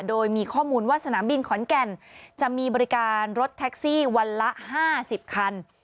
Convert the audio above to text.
โดยมีข้อมูลว่าสนามบินขอนแก่นจะมีบริการรถแท็กซี่วันละ๕๐คัน